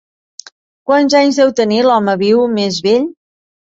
Quants anys deu tenir l'home viu més vell?